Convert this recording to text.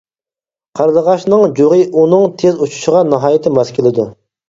قارلىغاچنىڭ جۇغى ئۇنىڭ تېز ئۇچۇشىغا ناھايىتى ماس كېلىدۇ.